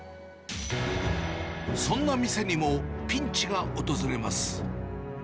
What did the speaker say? そんな店にも、ピンチが訪れます。